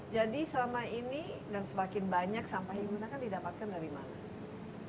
jadi selama ini dan semakin banyak sampah yang digunakan didapatkan dari mana